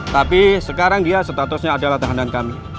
tapi sekarang dia statusnya adalah tahanan kami